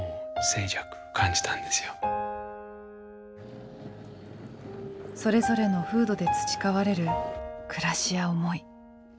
それぞれの風土で培われる暮らしや思い。